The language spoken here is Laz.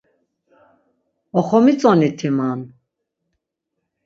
Oxomitzoniti man?